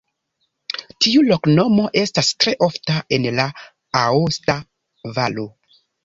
Tiu loknomo estas tre ofta en la Aosta Valo.